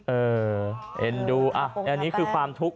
เออเอ็นดูอ่ะอันนี้คือความทุกข์